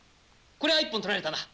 こりゃ一本取られたな。